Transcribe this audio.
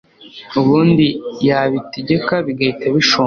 ubundi yabitegeka, bigahita bishonga